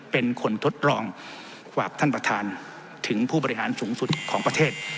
เป็นคนทดลองฝากท่านประธานถึงผู้บริหารสูงสุดของประเทศ